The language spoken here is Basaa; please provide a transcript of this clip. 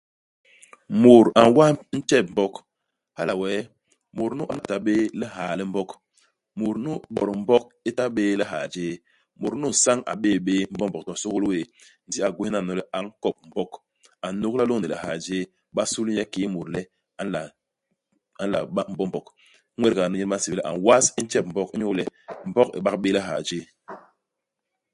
Mut a ñ'was ntjep u Mbog. Hala wee mut nu a ta bé i lihaa li Mbog. Mut nu Bot-Mbog i ta bé i lihaa jéé. Mut nu isañ a bé'é bé Mbombog, to sôgôl wéé. Ndi a gwés naano le a nkop Mbog. A n'nôgla lôñni lihaa jéé. Ba sul nye kiki mut le a nla a nla ba Mbombog. Iñwedga nu nyen ba nsébél le a ñ'was ntjep u Mbog, inyu le Mbog i bak béé ilihaa jéé.